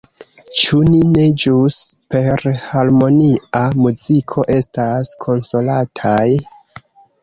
Ĉu ni ne ĵus per harmonia muziko estas konsolataj?